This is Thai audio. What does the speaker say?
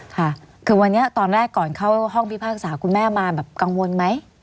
ค่ะคือวันนี้ตอนแรกก่อนเข้าห้องพิพากษาคุณแม่มาแบบกังวลไหม